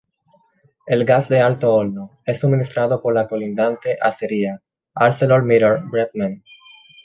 El gas de alto horno es suministrado por la colindante acería ArcelorMittal Bremen.